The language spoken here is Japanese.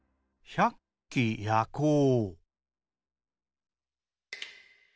「ひゃっきやこう」。